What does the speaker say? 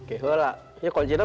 itu selana irah